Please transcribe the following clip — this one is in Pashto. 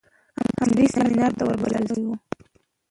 هم دې سمينار ته ور بلل شوى و.